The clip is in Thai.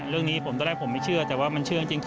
เรื่องนี้ผมตอนแรกผมไม่เชื่อแต่ว่ามันเชื่อจริง